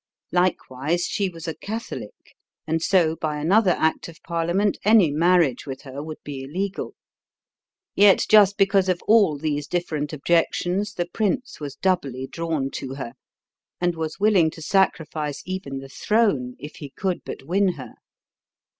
Likewise, she was a Catholic, and so by another act of Parliament any marriage with her would be illegal. Yet just because of all these different objections the prince was doubly drawn to her, and was willing to sacrifice even the throne if he could but win her.